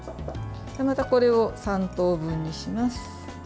またこれを３等分にします。